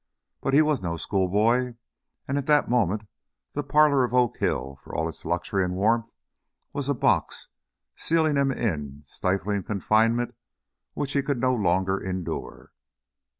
But he was no schoolboy, and at that moment the parlor of Oak Hill, for all its luxury and warmth, was a box sealing him in stifling confinement which he could no longer endure.